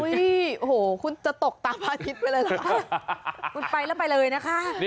โอ้โหคุณจะตกตามพระอาทิตย์ไปเลยเหรอคะคุณไปแล้วไปเลยนะคะ